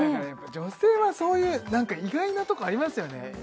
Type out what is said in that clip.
女性はそういう何か意外なとこありますよね